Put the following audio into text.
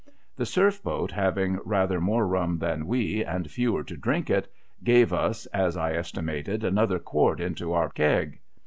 The Surf boat, having rather more rum than we, and fewer to drink it, gave us, as I estimated, another quart into our keg.